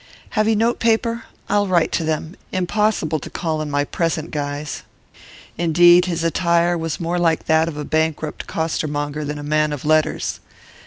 'Have you note paper? I'll write to them; impossible to call in my present guise.' Indeed his attire was more like that of a bankrupt costermonger than of a man of letters.